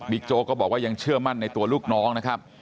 โจ๊กก็บอกว่ายังเชื่อมั่นในตัวลูกน้องนะครับ